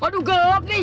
waduh gelap nih